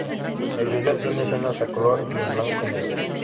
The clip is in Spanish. El video tiene escenas a color y en blanco y negro.